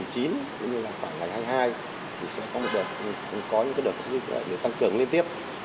cũng như là khoảng ngày hai mươi hai thì sẽ có một đợt tăng cường liên tiếp